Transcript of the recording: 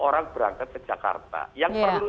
orang berangkat ke jakarta yang perlu